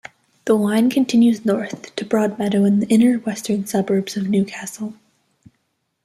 The line continues north to Broadmeadow in the inner western suburbs of Newcastle.